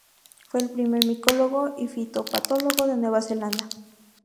Fue el primer micólogo y fitopatólogo de Nueva Zelanda.